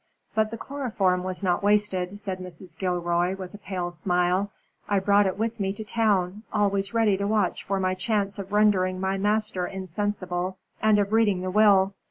But the chloroform was not wasted," said Mrs. Gilroy, with a pale smile. "I brought it with me to town always ready to watch for my chance of rendering my master insensible and of reading the will.